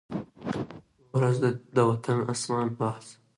یو وزر دی د وطن د آسمان ، باز